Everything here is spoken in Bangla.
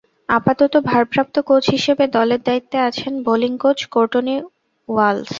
আপাতত ভারপ্রাপ্ত কোচ হিসেবে দলের দায়িত্বে আছেন বোলিং কোচ কোর্টনি ওয়ালশ।